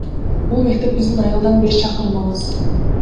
Бул мектеп биздин айылдан беш чакырым алыс.